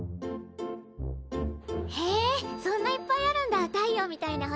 へえそんないっぱいあるんだ太陽みたいな星。